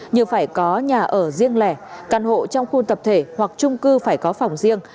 như phải có nhà ở riêng lẻ căn hộ trong khu tập thể hoặc trung cư phải có phòng riêng